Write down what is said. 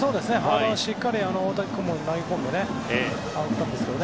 しっかり大竹君も投げ込んでたんですけど。